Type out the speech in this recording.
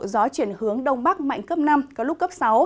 gió chuyển hướng đông bắc mạnh cấp năm có lúc cấp sáu